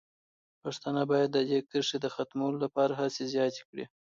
پښتانه باید د دې کرښې د ختمولو لپاره هڅې زیاتې کړي.